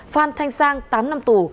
phan thanh sang tám năm tù